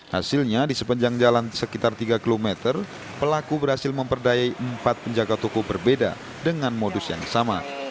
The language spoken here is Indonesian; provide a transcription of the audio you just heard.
hasilnya di sepanjang jalan sekitar tiga km pelaku berhasil memperdayai empat penjaga toko berbeda dengan modus yang sama